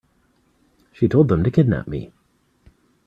She told them to kidnap me.